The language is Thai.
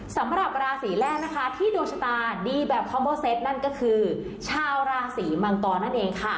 สำหรับราศีแรกนะคะที่ดวงชะตาดีแบบคอมโบเซตนั่นก็คือชาวราศีมังกรนั่นเองค่ะ